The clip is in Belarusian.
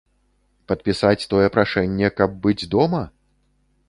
Падпісаць тое прашэнне, каб быць дома?